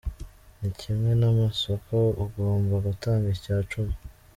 Ni kimwe namasoko ugomba gutanga icyacumi.